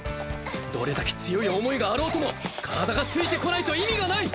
どれだけ強い思いがあろうとも体がついてこないと意味がない！